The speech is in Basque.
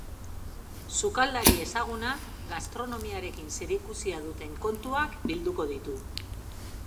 Sukaldari ezagunak gastronomiarekin zerikusia duten kontuak bilduko ditu.